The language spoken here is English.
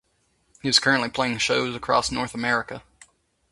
He is currently playing shows across North America.